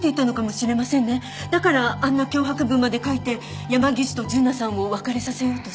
だからあんな脅迫文まで書いて山岸と純奈さんを別れさせようとした。